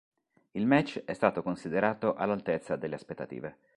Il match è stato considerato all'altezza delle aspettative.